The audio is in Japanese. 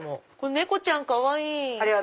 猫ちゃんかわいい！